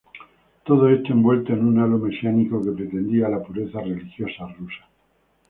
Todo esto envuelto en un halo mesiánico que pretendía la pureza religiosa rusa.